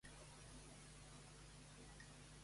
S'espera que un dia d'aquests retorni a Catalunya.